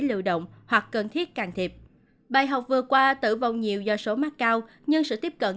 liều động hoặc cần thiết càng thiệp bài học vừa qua tử vong nhiều do số mắc cao nhưng sự tiếp cận